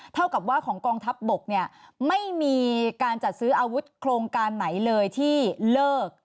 เท่ากับว่าของกองทัพบกเนี่ยไม่มีการจัดซื้ออาวุธโครงการไหนเลยที่เลิก